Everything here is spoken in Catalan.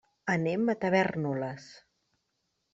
Anem a Tavèrnoles.